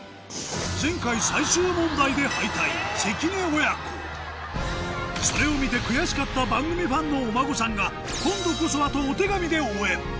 前回関根親子それを見て悔しかった番組ファンのお孫さんが今度こそはとお手紙で応援